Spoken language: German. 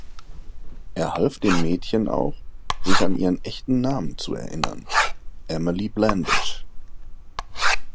Er half dem Mädchen auch, sich an ihren echten Namen zu erinnern: Emily Blandish.